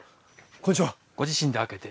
こんにちは。